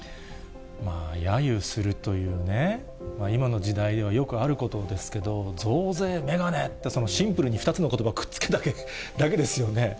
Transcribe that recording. まあ、やゆするというね、今の時代にはよくあることですけど、増税メガネって、そのシンプルに２つのことばくっつけただけですよね。